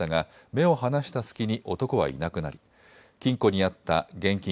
目を離した隙に男はいなくなり金庫にあった現金